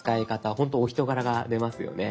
ほんとお人柄が出ますよね。